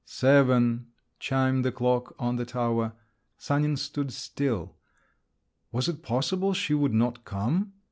Seven! chimed the clock on the tower. Sanin stood still. Was it possible she would not come?